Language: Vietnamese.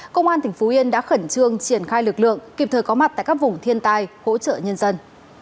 công an tỉnh phú yên đã khẩn trương triển khai lực lượng kịp thời có mặt tại các vùng thiên tai hỗ trợ nhân dân